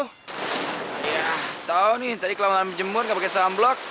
tak tahu nih tadi kelamaan kelamaan jemur gak pakai sunblock